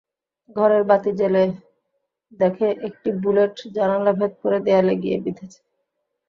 ঘরের বাতি জ্বেলে দেখে, একটি বুলেট জানালা ভেদ করে দেয়ালে গিয়ে বিঁধেছে।